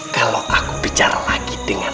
kalau aku bicara lagi dengan